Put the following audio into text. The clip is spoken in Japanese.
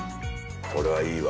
これはいいわ。